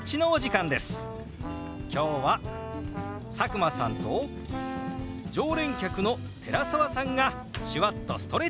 今日は佐久間さんと常連客の寺澤さんが手話っとストレッチ。